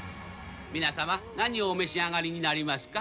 皆様何をお召し上がりになりますか？